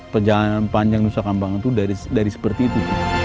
perjalanan panjang nusa kambangan itu dari seperti itu